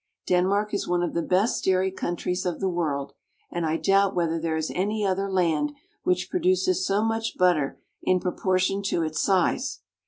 Denmark is one of the best dairy countries of the world, and I doubt whether there is any other land which pro duces so much butter in proportion to its size.